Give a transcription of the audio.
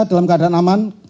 dalam keadaan aman